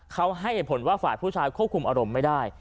เขาให้เหตุผลว่าฝ่ายผู้ชายควบคุมอารมณ์ไม่ได้